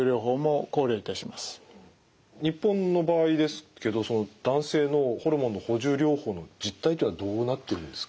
日本の場合ですけどその男性のホルモンの補充療法の実態というのはどうなってるんですか？